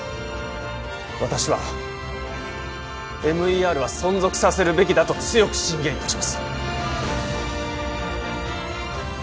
私はＭＥＲは存続させるべきだと強く進言いたします！